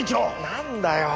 なんだよ。